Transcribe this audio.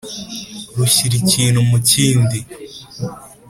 rushyira ikintu mu kindi !